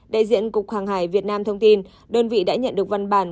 đại diện cục hàng hải việt nam thông tin đơn vị đã nhận được văn bản